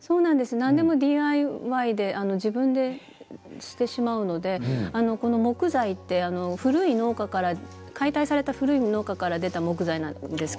何でもＤＩＹでしてしまうのでこの木材って古い農家から解体された古い農家から出た木材なんです。